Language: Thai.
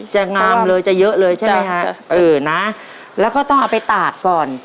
จะงามเลยจะเยอะเลยใช่ไหมฮะเออนะแล้วก็ต้องเอาไปตาดก่อน